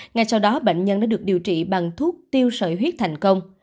ngay sau đó bệnh nhân đã được điều trị bằng thuốc tiêu sợi huyết thành công